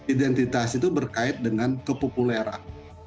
identitas itu berkait dengan kepopuleran